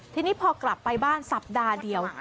ทีนี้พอกลับไปบ้านสัปดาห์เดียว